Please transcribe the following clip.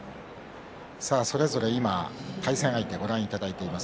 それぞれ今、対戦相手ご覧いただいています。